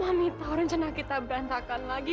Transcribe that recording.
kalau mami tahu rencana kita berantakan lagi